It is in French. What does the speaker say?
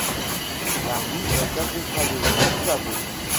La rue est intégralement pavée.